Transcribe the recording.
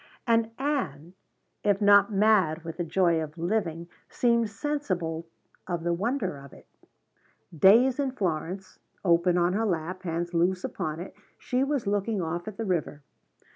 And Ann, if not mad with the joy of living, seemed sensible of the wonder of it. "Days in Florence" open on her lap, hands loose upon it, she was looking off at the river.